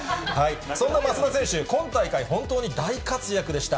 そんな松田選手、今大会、本当に大活躍でした。